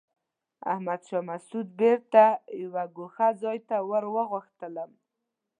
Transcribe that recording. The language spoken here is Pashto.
احمد شاه مسعود بېرته یوه ګوښه ځای ته ور وغوښتم.